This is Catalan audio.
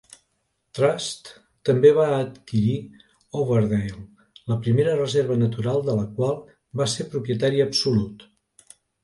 Trust també va adquirir Overdale, la primera reserva natural de la qual va ser propietari absolut.